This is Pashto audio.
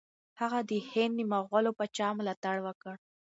هغه د هند د مغول پاچا ملاتړ وکړ.